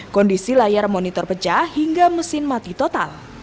kondisi layar monitor pecah hingga mesin mati total